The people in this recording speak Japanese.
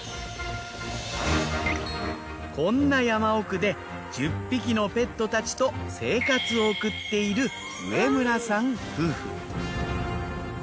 こんな山奥で１０匹のペットたちと生活を送っている植村さん夫婦。